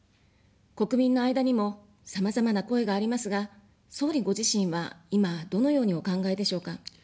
国民の間にも、さまざまな声がありますが、総理ご自身は今どのようにお考えでしょうか。